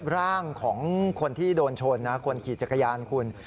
ร่างของคนที่โดนชนนะคนขี่จักรยานคุณ